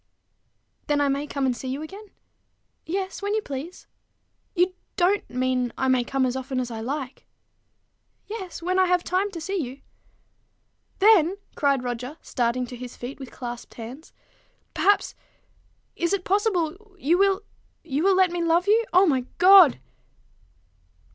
"Then I may come and see you again?" "Yes: when you please." "You don't mean I may come as often as I like?" "Yes when I have time to see you." "Then," cried Roger, starting to his feet with clasped hands, " perhaps is it possible? you will you will let me love you? O my God!"